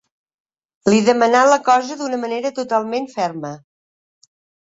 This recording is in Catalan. Li demanà la cosa d'una manera totalment ferma.